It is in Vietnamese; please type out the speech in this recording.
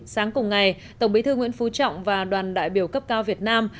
sáng cùng ngày tổng bí thư nguyễn phú trọng và đoàn đại biểu cấp cao việt nam